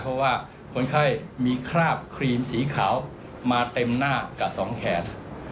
เพราะว่าคนไข้มีคราบครีมสีขาวมาเต็มหน้ากับสองแขน